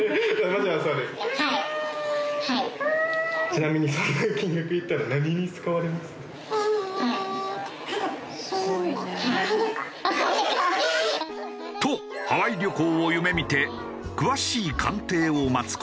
ちなみに。とハワイ旅行を夢見て詳しい鑑定を待つ事に。